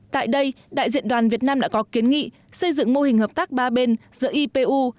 tại đây đại diện đoàn việt nam đã có kiến nghị xây dựng mô hình hợp tác ba bên giữa ipu